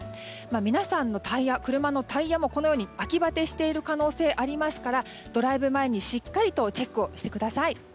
皆さんの車のタイヤもこのように秋バテしている可能性がありますからドライブ前にしっかりとチェックをしてください。